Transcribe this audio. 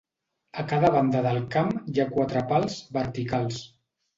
A cada banda del camp hi ha quatre pals verticals.